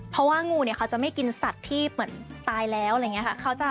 เพราะว่างูเนี่ยเขาจะไม่กินสัตว์ที่เหมือนตายแล้วอะไรอย่างนี้ค่ะ